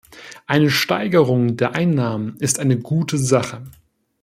Eine Steigerung der Einnahmen ist eine gute Sache.